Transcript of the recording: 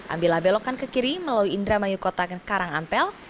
ambillah belokan ke kiri melalui indramayu kota karang ampel